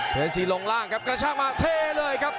พยักอีสีลงล่างครับกระชั่งมาเทเลยครับ